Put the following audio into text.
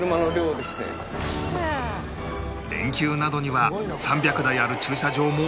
連休などには３００台ある駐車場も